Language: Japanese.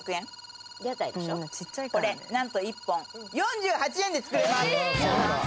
これ何と１本４８円で作れます！